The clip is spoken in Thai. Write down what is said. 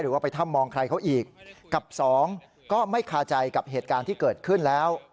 ว่าไปถ้ำมองใครเขาอีกกับสองก็ไม่คาใจกับเหตุการณ์ที่เกิดขึ้นแล้ว